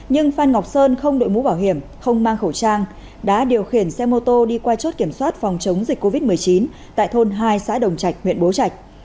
nhưng phan ngọc sơn không đội mũ bảo hiểm không mang khẩu trang đã điều khiển xe mô tô đi qua chốt kiểm soát phòng chống dịch covid một mươi chín tại thôn hai xã đồng trạch huyện bố trạch